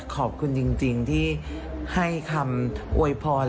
ขอบคุณจริงที่ให้คำอวยพร